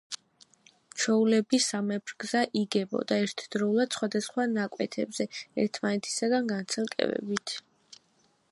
ჩვეულებრივსამებრ გზა იგებოდა ერთდროულად სხვადასხვა ნაკვეთებზე, ერთმანეთისგან განცალკევებით.